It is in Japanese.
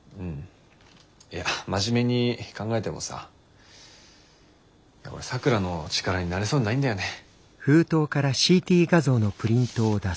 いや真面目に考えてもさ俺咲良の力になれそうにないんだよね。